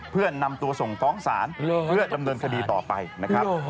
เพื่อนำตัวส่งฟ้องศาลเพื่อดำเนินคดีต่อไปนะครับ